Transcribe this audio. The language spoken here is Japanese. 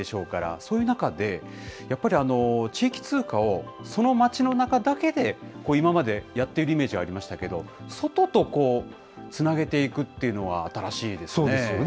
そういう中で、やっぱり地域通貨をその町の中だけでこう今までやっているイメージありましたけれども、外とつなげていくっていうのは、新しいでそうですよね。